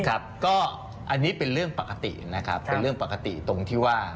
ครับก็อันนี้เป็นเรื่องปกตินะครับเป็นเรื่องปกติตรงที่ว่า